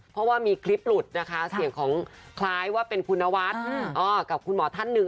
เพราะว่ามีคลิปหลุดนะคะเสียงของคล้ายว่าเป็นคุณนวัดกับคุณหมอท่านหนึ่ง